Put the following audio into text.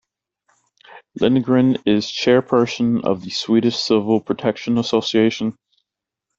Lindgren is chairperson of the Swedish Civil Protection Association.